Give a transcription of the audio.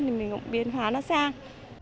thì mình cũng biến hóa nó sang